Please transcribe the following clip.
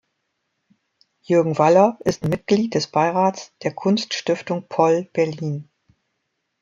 Jürgen Waller ist Mitglied des Beirats der Kunststiftung Poll, Berlin.